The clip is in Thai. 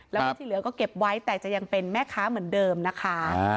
แล้วก็ที่เหลือก็เก็บไว้แต่จะยังเป็นแม่ค้าเหมือนเดิมนะคะ